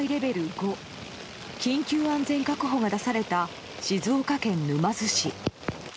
５緊急安全確保が出された静岡県沼津市。